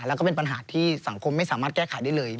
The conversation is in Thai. แล้วก็เป็นปัญหาที่สังคมไม่สามารถแก้ไขได้เลย